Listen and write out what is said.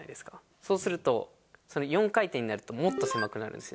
そうすると４回転になるともっと狭くなるんですよ。